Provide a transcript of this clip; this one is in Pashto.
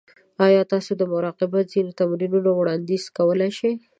ایا تاسو د مراقبت ځینې تمرینونه وړاندیز کولی شئ؟